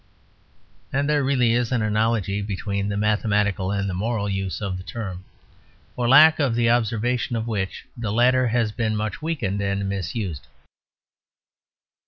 And there really is an analogy between the mathematical and the moral use of the term, for lack of the observation of which the latter has been much weakened and misused.